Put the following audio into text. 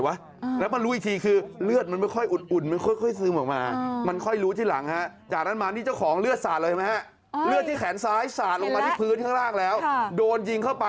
ว่ามันยิงตรงไหนวะ